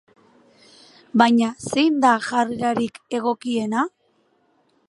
Baina zein da jarrerarik egokiena?